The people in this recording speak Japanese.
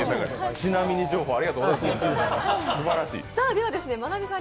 ちなみに情報ありがとうございました、すばらしい。